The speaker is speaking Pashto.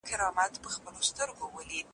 افغانان د یوې روښانه راتلونکې مستحق دي.